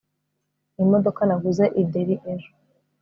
Ni imodoka naguze i Derry ejo